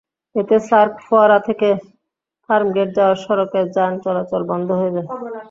এতে সার্ক ফোয়ারা থেকে ফার্মগেট যাওয়ার সড়কে যান চলাচল বন্ধ হয়ে যায়।